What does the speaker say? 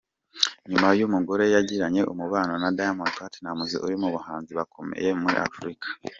Nyuma umugore yagiranye umubano na Diamond Platnumz uri mu bahanzi bakomeye muri Afurika.